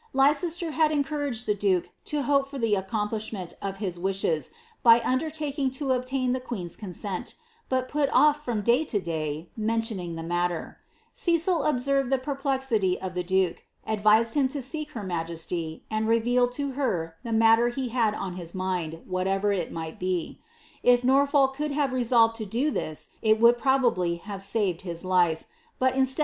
Leicester had encouraged the duke to hope for the accomplish of his wislies by undertaking to obtain the queen's consent, but pn from day to day, mentioning the matter; Cecil observing the perpli of the duke, advised him to seek her majesty, and reveal to her the ter he had on his mind, whatever it might be. If Norfolk could motved to do this, it would probably have saved his life; but ini BLIlAiBTH.